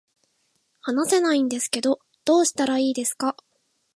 話せないんですけど、どうしたらいいですか